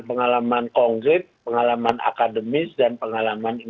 seperti agama yahudi atau judaism islam dan lain lain